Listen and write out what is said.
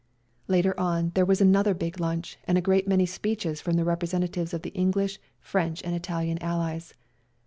Later on there was another big lunch and a great many speeches from the representatives of the English, French and Italian Allies.